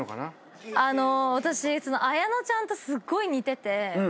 私彩乃ちゃんとすごい似てて。